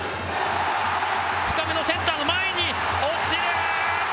深めのセンターの前に落ちる。